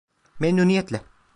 Memnuniyetle.